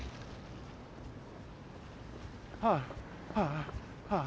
はあはあはあはあ。